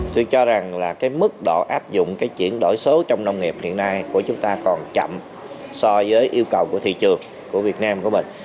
tôi cho rằng là cái mức độ áp dụng cái chuyển đổi số trong nông nghiệp hiện nay của chúng ta còn chậm so với yêu cầu của thị trường của việt nam của mình